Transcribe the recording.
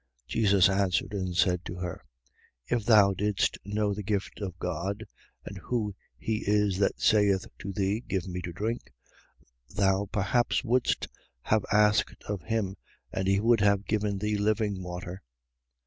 4:10. Jesus answered and said to her: If thou didst know the gift of God and who he is that saith to thee: Give me to drink; thou perhaps wouldst have asked of him, and he would have given thee living water.